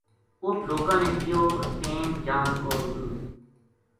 اُت لوکاں نے کہیو ٹیم جان کو نیہہ اِ